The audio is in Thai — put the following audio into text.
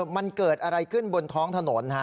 มันเกิดอะไรขึ้นบนท้องถนน